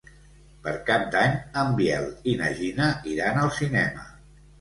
Per Cap d'Any en Biel i na Gina iran al cinema.